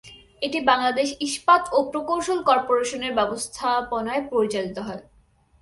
এটি বাংলাদেশ ইস্পাত ও প্রকৌশল কর্পোরেশনের ব্যবস্থাপনায় পরিচালিত হয়।